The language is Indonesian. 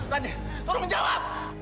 nanti tolong jawab